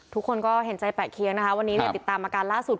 ทุกคนก็เห็นใจแปะเคียงนะคะวันนี้เนี่ยติดตามอาการล่าสุด